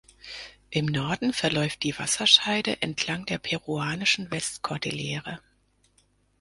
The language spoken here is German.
Im Norden verläuft die Wasserscheide entlang der peruanischen Westkordillere.